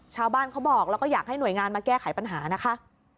เขาบอกแล้วก็อยากให้หน่วยงานมาแก้ไขปัญหานะคะ